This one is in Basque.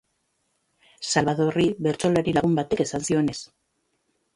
Xalbadorri bertsolari lagun batek esan zionez.